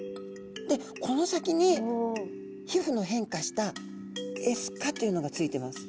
でこの先に皮膚の変化したエスカというのが付いてます。